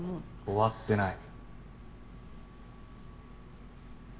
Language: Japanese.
終わってない。